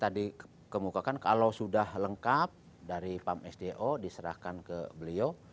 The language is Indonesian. jadi tadi kemukakan kalau sudah lengkap dari pam sdo diserahkan ke beliau